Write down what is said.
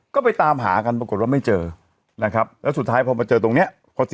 ก็ไปตามหากันปรากฏว่าไม่เจอนะครับแล้วสุดท้ายพอมาเจอตรงเนี้ยพอเจอ